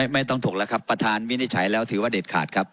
ไม่ต้องถกแล้วครับประธานวินิจฉัยแล้วถือว่าเด็ดขาดครับ